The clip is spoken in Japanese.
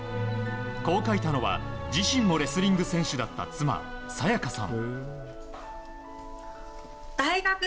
こう書いたのは自身もレスリング選手だった妻早耶架さん。